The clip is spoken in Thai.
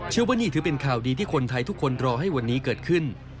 ว่านี่ถือเป็นข่าวดีที่คนไทยทุกคนรอให้วันนี้เกิดขึ้น